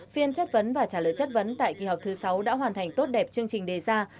phiên chất vấn và trả lời chất vấn tại kỳ họp thứ sáu đã hoàn thành tốt đẹp chương trình đề ra